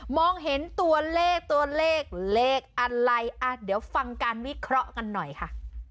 มองเห็นตัวเลขตัวเลขเลขอะไรอ่ะเดี๋ยวฟังการวิเคราะห์กันหน่อยค่ะ